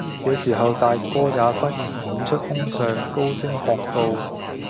這時候，大哥也忽然顯出凶相，高聲喝道，